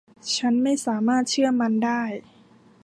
ฉันไม่สามารถเชื่อมันได้.